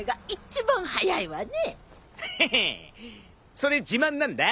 それ自慢なんだ。